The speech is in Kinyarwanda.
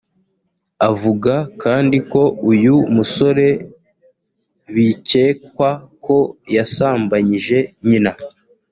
Avuga kandi ko uyu musore bikekwa ko yasambanyije nyina